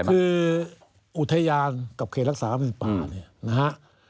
คืออุทยานกับเขตรักษาพันธุ์สัตว์ป่า